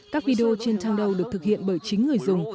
các video trên trang đầu được thực hiện bởi chính người dùng